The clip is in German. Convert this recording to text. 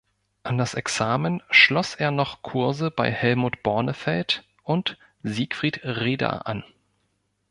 An das Examen schloss er noch Kurse bei Helmut Bornefeld und Siegfried Reda an.